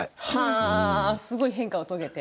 すごい変化を遂げて。